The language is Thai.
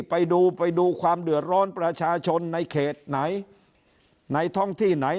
ไปดูไปดูความเดือดร้อนประชาชนในเขตไหนในท้องที่ไหน